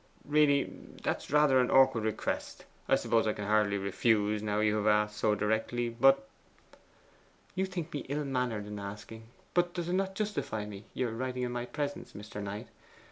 'Really, that's rather an awkward request. I suppose I can hardly refuse now you have asked so directly; but ' 'You think me ill mannered in asking. But does not this justify me your writing in my presence, Mr. Knight?